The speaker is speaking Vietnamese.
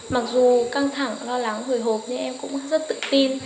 mặc dù căng thẳng lo lắng hồi hộp nhưng em cũng rất tự tin